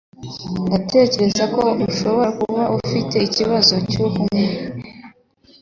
Ndatekereza ko ushobora kuba ufite ikibazo cyo kunywa